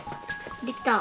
できた？